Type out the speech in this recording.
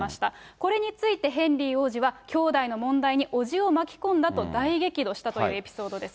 これについて、ヘンリー王子は、兄弟の問題に叔父を巻き込んだと、大激怒したというエピソードです。